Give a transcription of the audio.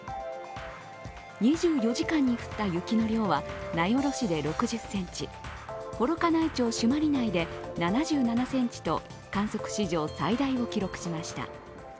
２４時間に降った雪の量は名寄市で６０ｃｍ幌加内町朱鞠内で７７ｃｍと観測史上最大を記録しました。